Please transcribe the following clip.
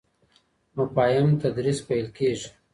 مفاهیم تدریس پیل کیږي.